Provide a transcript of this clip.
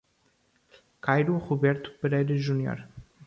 Cairo Roberto Pereira Junior